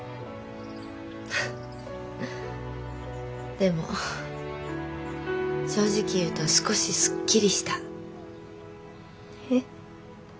でも正直言うと少しすっきりした。えっ？